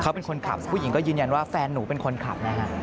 เขาเป็นคนขับผู้หญิงก็ยืนยันว่าแฟนหนูเป็นคนขับนะฮะ